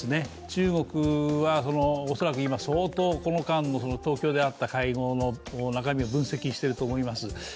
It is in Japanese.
中国はおそらく今、相当この間の東京であった会合の中身を分析していると思います。